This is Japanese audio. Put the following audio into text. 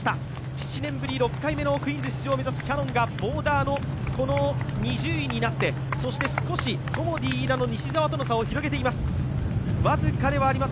７年ぶりの６回目の出場を目指すキヤノンがボーダーの２０位になって、少しコモディイイダの西澤との差を広げています。